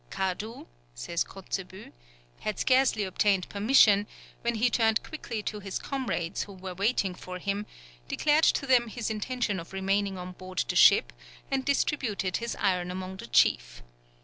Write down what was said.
"Kadu," says Kotzebue, "had scarcely obtained permission, when he turned quickly to his comrades, who were waiting for him, declared to them his intention of remaining on board the ship, and distributed his iron among the chiefs.